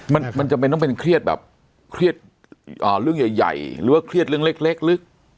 มันมันจะเป็นต้องเป็นเครียดแบบอ่าเรื่องใหญ่ใหญ่หรือว่าเครียดเรื่องเล็กเล็กลึก